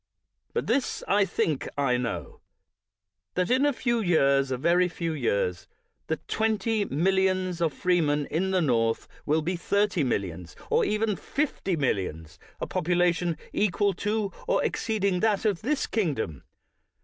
But this I think I know — that in a few years, a very few years, the twenty millions of freemen in the North will be thirty' millions, or even fifty millions — a population equal to or exceed ing that of this kingdom.